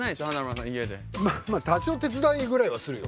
多少手伝いぐらいはするよ。